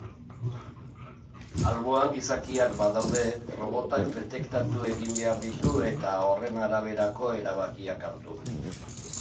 Alboan gizakiak badaude robotak detektatu egin behar ditu eta horren araberako erabakiak hartu.